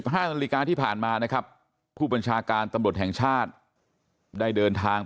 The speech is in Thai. ห้านาฬิกาที่ผ่านมานะครับผู้บัญชาการตำรวจแห่งชาติได้เดินทางไป